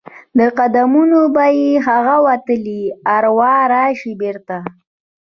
د قدمونو به یې هغه وتلي اروا راشي بیرته؟